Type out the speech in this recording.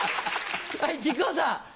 はい木久扇さん。